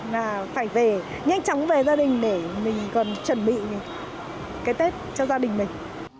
là phải về nhanh chóng về gia đình để mình còn chuẩn bị cái tết cho gia đình mình